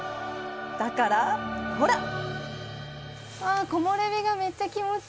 だからほらッ！